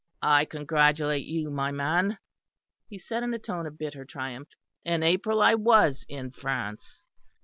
"I congratulate you, my man," he said, in a tone of bitter triumph. "In April I was in France.